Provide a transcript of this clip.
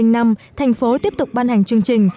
năm hai nghìn năm thành phố tiếp tục ban hành chương trình